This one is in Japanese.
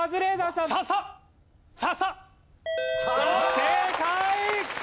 正解！